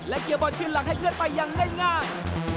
เคลียร์บอลขึ้นหลังให้เพื่อนไปอย่างง่าย